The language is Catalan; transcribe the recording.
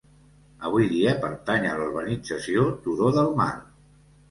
Avui dia pertany a la Urbanització Turó del Mar.